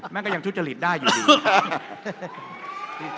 แม่งก็ยังทุจริตได้อยู่ดี